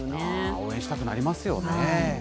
応援したくなりますよね。